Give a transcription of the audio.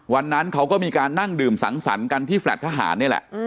วันนั้นเขาก็มีการนั่งดื่มสังสรรค์กันที่แฟลต์ทหารนี่แหละ